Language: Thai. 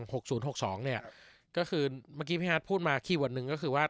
ก็คือเมื่อกี้พี่ฮาร์ดพูดมาคีย์เวิร์ดหนึ่งก็คือว่า